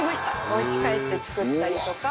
お家帰って作ったりとか。